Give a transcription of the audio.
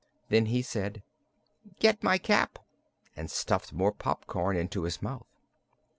Then he said: "Get my cap," and stuffed more popcorn into his mouth.